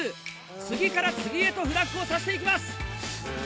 次から次へとフラッグをさしていきます。